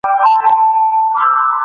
په اسلامي شريعت کي فکر کولو ته اجازه سته.